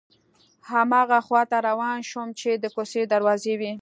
هماغه خواته روان شوم چې د کوڅې دروازې وې.